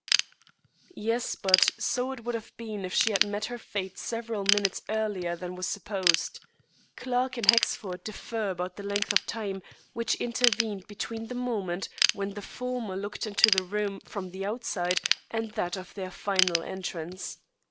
"Yes, but so it would have been if she had met her fate several minutes earlier than was supposed. Clarke and Hexford differ about the length of time which intervened between the moment when the former looked into the room from the outside and that of their final entrance.